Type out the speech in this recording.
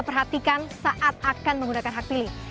perhatikan saat akan menggunakan hak pilih